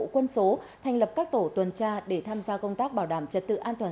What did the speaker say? quân số thành lập các tổ tuần tra để tham gia công tác bảo đảm trật tự an toàn